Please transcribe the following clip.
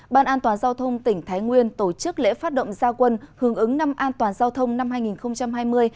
ban an toàn giao thông tỉnh thái nguyên tổ chức lễ phát động gia quân hướng ứng năm an toàn giao thông năm hai nghìn hai mươi